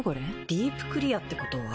「ディープクリア」ってことは。